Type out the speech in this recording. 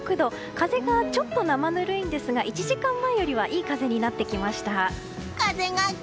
風がちょっと生ぬるいんですが１時間前よりはいい風になってきました。